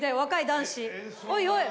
おいおい。